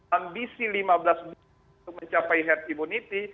ambisi lima belas bulan untuk mencapai herd immunity